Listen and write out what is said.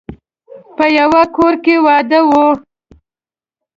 په يوه کور کې واده و.